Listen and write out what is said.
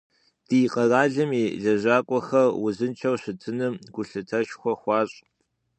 Ди къэралым и лэжьакӀуэхэр узыншэу щытыным гулъытэшхуэ хуащӀ.